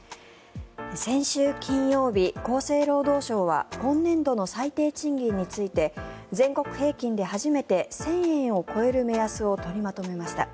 先週金曜日、厚生労働省は今年度の最低賃金について全国平均で初めて１０００円を超える目安を取りまとめました。